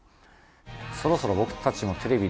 そろそろ僕たちもテレビ出ようか？